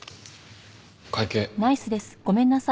会計。